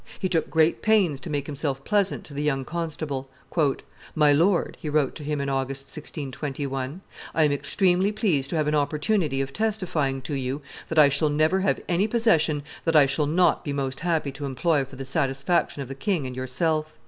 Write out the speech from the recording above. He took great pains to make himself pleasant to the young constable. "My lord," he wrote to him in August, 1621, "I am extremely pleased to have an opportunity of testifying to you, that I shall never have any possession that I shall not be most happy to employ for the satisfaction of the king and yourself.